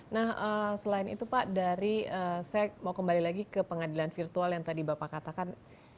nah selain itu pak dari saya mau kembali lagi ke pengadilan virtual yang tadi bapak katakan